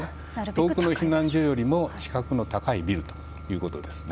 遠くの避難所よりも近くの高いビルということです。